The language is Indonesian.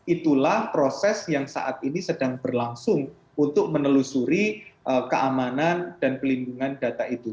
itulah proses yang saat ini sedang berlangsung untuk menelusuri keamanan dan pelindungan data itu